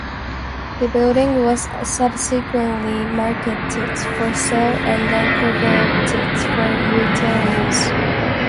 The building was subsequently marketed for sale and then converted for retail use.